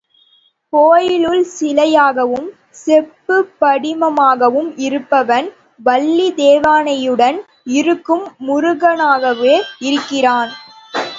கோயிலுள் சிலையாகவும் செப்புப் படிமமாகவும் இருப்பவன், வள்ளி தேவயானையுடன் இருக்கும் முருகனாகவே இருக்கிறான்.